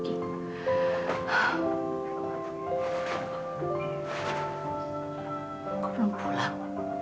jam empat belum pulang